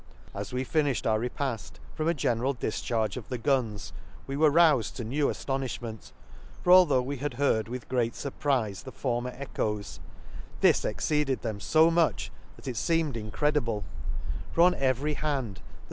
«— As we finifhed our repaft, from a general difcharge of the guns we were roufed to new aftonifhment ; for altho' we had heard with great fur prize the for mer echoes, this exceeded them fo much that it feemed incredible : for on every hand the Lakes.